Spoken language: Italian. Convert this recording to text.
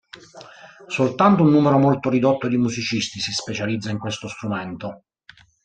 Soltanto un numero molto ridotto di musicisti si specializza in questo strumento.